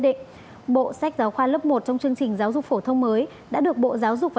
định bộ sách giáo khoa lớp một trong chương trình giáo dục phổ thông mới đã được bộ giáo dục và